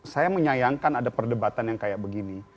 saya menyayangkan ada perdebatan yang kayak begini